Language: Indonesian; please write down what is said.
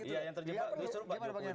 yang terjebak disuruh pak jokowi